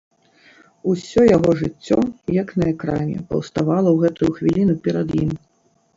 Усё яго жыццё, як на экране, паўставала ў гэтую хвіліну перад ім.